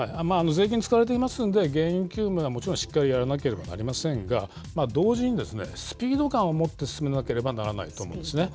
税金使われていますので、原因究明はもちろんしっかりやらなければなりませんが、同時に、スピード感をもって進めなければならないと思うんですね。